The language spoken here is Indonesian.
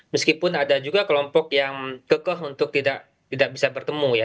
meskipun ada juga kelompok yang kekeh untuk tidak bisa bertemu ya